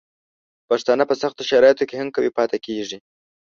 پښتانه په سختو شرایطو کې هم قوي پاتې کیږي.